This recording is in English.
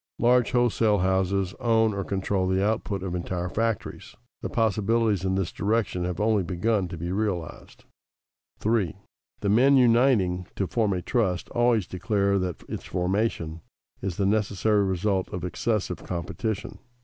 Large wholesale houses own or control the output of entire factories. The possibilities in this direction have only begun to be realized. [Sidenote: Combination prevents competition] 3. _The men uniting to form a trust always declare that its formation is the necessary result of excessive competition.